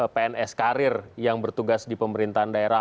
pns karir yang bertugas di pemerintahan daerah